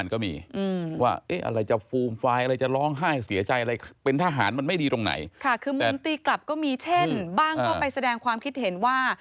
ก็มีเช่นบ้างก็ไปแสดงความคิดเห็นว่า